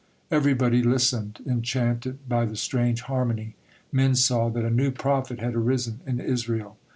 Everybody listened, enchanted by the strange harmony. Men saw that a new prophet had arisen in Israel.